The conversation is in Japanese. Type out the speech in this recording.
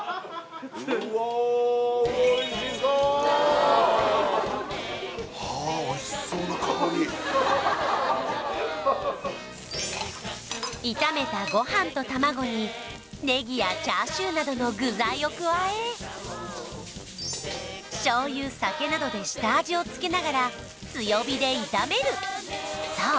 うわおいしそうああおいしそうな香り炒めたご飯と卵にネギやチャーシューなどの具材を加え醤油酒などで下味を付けながら強火で炒めるそう